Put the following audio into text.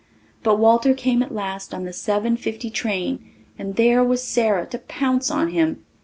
But Walter came at last on the 7:50 train and there was Sara to pounce on him.